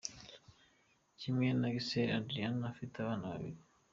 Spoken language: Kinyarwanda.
Kimwe na Gisele, Adriana afite abana babiri.